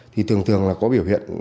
thì thường thường là có biểu hiện